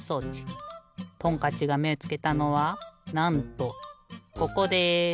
トンカッチがめつけたのはなんとここです。